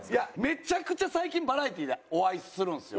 めちゃくちゃ最近バラエティーでお会いするんですよ。